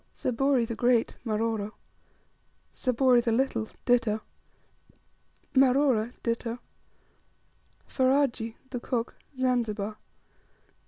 23. Saburi the Great, Maroro. 24. Saburi the Little, ditto. 25. Marora, ditto. 26. Ferajji (the cook), Zanzibar.